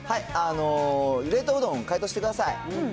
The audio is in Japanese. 冷凍うどん、解凍してください。